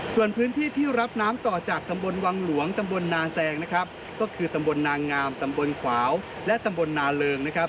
ส่วนพื้นที่ที่รับน้ำต่อจากตำบลวังหลวงตำบลนาแซงนะครับก็คือตำบลนางงามตำบลขวาวและตำบลนาเริงนะครับ